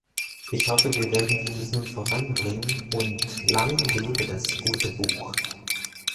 Ich hoffe, wir werden dieses nun voranbringen, und lang lebe das gute Buch!